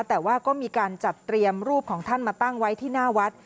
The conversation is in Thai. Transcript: แต่ว่าก็มีการจัดเตรียมรูปของท่านมาตั้งไว้ที่หน้าวัด